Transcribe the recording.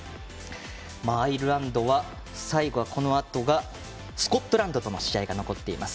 アイルランドは最後はこのあとはスコットランドとの試合が残っています。